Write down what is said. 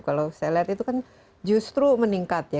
kalau saya lihat itu kan justru meningkat ya